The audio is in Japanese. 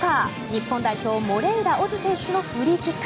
日本代表、茂怜羅オズ選手のフリーキック。